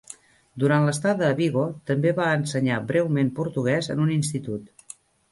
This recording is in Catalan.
Durant l'estada a Vigo també va ensenyar breument portuguès en un institut.